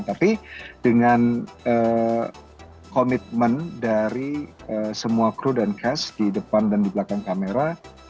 tapi dengan komitmen dari semua kru dan cash di depan dan di belakang kamera